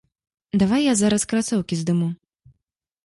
Давай я зараз красоўкі здыму.